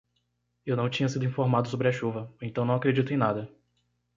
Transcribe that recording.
Eu não tinha sido informado sobre a chuva, então não acredito em nada.